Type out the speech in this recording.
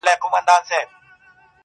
مرگه که ژوند غواړم نو تاته نذرانه دي سمه,